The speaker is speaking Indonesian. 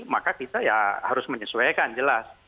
maka kita ya harus menyesuaikan jelas